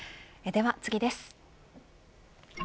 では、次です。